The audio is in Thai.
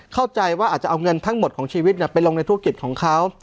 เข้าใจว่าอาจจะเอาเงินทั้งหมดของชีวิตไปลงในธุรกิจของเขา